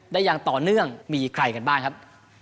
อย่างต่อเนื่องมีใครกันบ้างครับ